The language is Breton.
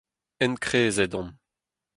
Enkrezet on.